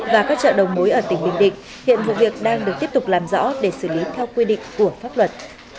và các chợ đầu mối ở tỉnh bình định hiện vụ việc đang được tiếp tục làm rõ để xử lý theo quy định của pháp luật